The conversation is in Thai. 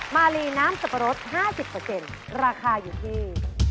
มาลีน้ำสับปะรดห้าสิบเปอร์เจ็นราคาอยู่ที่